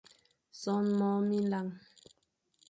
Son môr minlañ,